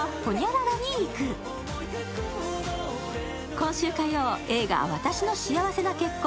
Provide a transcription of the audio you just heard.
今週火曜、映画「わたしの幸せな結婚」